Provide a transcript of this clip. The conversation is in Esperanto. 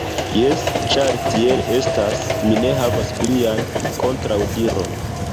Jes, ĉar tiel estas, mi ne havas plian kontraŭdiron.